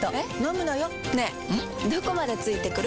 どこまで付いてくる？